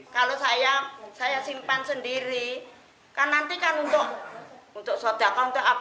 kalau saya simpan sendiri kan nanti kan untuk sodako